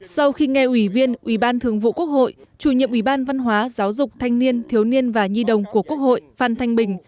sau khi nghe ủy viên ủy ban thường vụ quốc hội chủ nhiệm ủy ban văn hóa giáo dục thanh niên thiếu niên và nhi đồng của quốc hội phan thanh bình